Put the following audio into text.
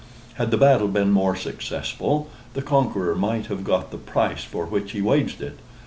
Had the battle been more successful, the conqueror might have got the price for which he waged it.